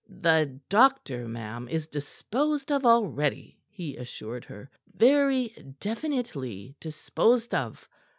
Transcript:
"The doctor, ma'am, is disposed of already," he assured her. "Very definitely disposed of.